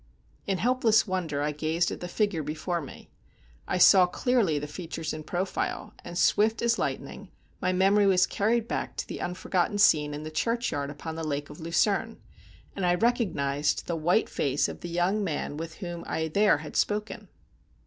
In helpless wonder I gazed at the figure before me. I saw clearly the features in profile, and, swift as lightning, my memory was carried back to the unforgotten scene in the churchyard upon the Lake of Lucerne, and I recognized the white face of the young man with whom I there had spoken.